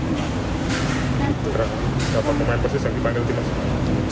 pemain persis yang dipainin itu dimaksud